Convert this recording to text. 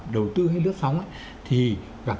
đầu tư hay lướt sóng thì gặp